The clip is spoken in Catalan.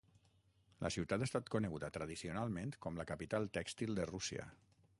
La ciutat ha estat coneguda tradicionalment com la capital tèxtil de Rússia.